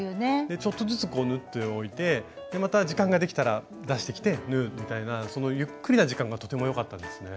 ちょっとずつ縫っておいてまた時間ができたら出してきて縫うみたいなゆっくりな時間がとても良かったですね。